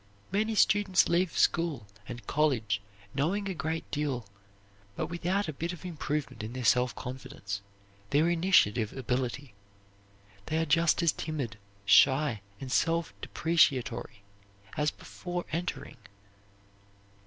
Many students leave school and college knowing a great deal, but without a bit of improvement in their self confidence, their initiative ability. They are just as timid, shy, and self depreciatory as before entering.